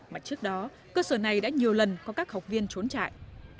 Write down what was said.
mà trước đó cơ sở này đã nhiều lần có các học viên trốn chạy